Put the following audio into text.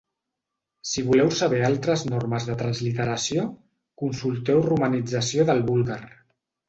Si voleu saber altres normes de transliteració, consulteu Romanització del búlgar.